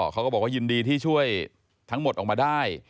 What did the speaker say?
เขาก็บอกว่ายินดีที่ช่วยทั้งหมดออกมาได้